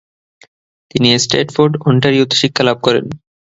তিনি স্ট্র্যাটফোর্ড, অন্টারিওতে শিক্ষা লাভ করেন।